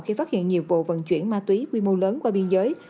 khi phát hiện nhiều vụ vận chuyển ma túy quy mô lớn qua biên giới